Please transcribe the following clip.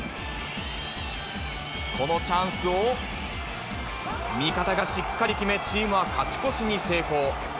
このチャンスを、味方がしっかり決め、チームは勝ち越しに成功。